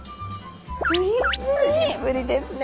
プリプリですね。